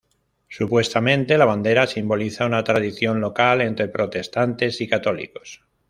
Supuestamente, la bandera simboliza una tradición local entre protestantes y católicos.